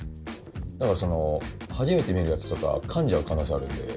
だから初めて見るやつとか噛んじゃう可能性あるんで。